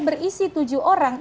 berisi tujuh orang